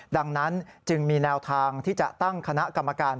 ดังนั้นจึงมีแนวทางที่จะตั้งคณะกรรมการ